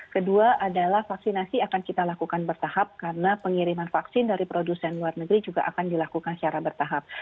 kedua adalah vaksinasi akan kita lakukan bertahap karena pengiriman vaksin dari produsen luar negeri juga akan dilakukan secara bertahap